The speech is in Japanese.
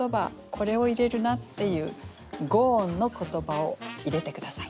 これを入れるなっていう五音の言葉を入れて下さい。